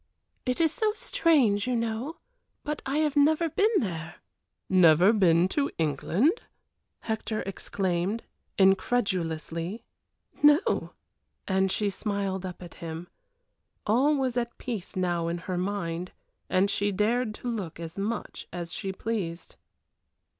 "It is so strange, you know, but I have never been there." "Never been to England!" Hector exclaimed, incredulously. "No!" and she smiled up at him. All was at peace now in her mind, and she dared to look as much as she pleased.